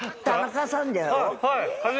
はい。